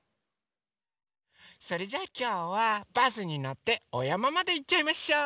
それじゃあきょうはバスにのっておやままでいっちゃいましょう！